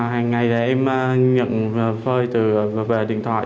hàng ngày em nhận phơi về điện thoại